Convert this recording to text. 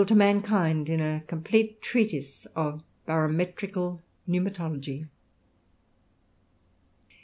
to mankind in a complete treatise of barometrical pneumatology.